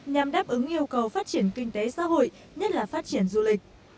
nhằm đáp ứng yêu cầu phát triển kinh tế xã hội nhất là phát triển du lịch